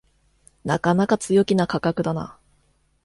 なかなか強気な価格だな